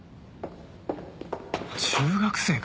中学生か？